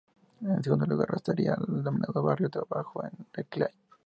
En segundo lugar, estaría el denominado "Barrio de Abajo", en declive.